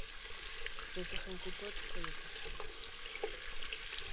Rydych yn gwybod pwy ydych chi.